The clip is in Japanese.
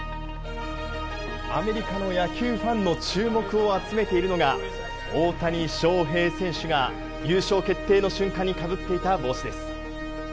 アメリカの野球ファンの注目を集めているのが、大谷翔平選手が優勝決定の瞬間にかぶっていた帽子です。